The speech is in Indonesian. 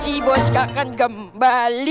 si bos akan kembali